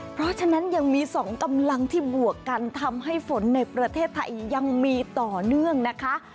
เพราะฉะนั้นยังมี๒กำลังที่บวกกันทำให้ฝนในประเทศไทยยังมีต่อเนื่องนะคะ